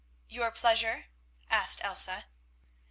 "Your pleasure?" asked Elsa.